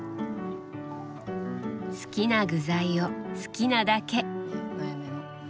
好きな具材を好きなだけ。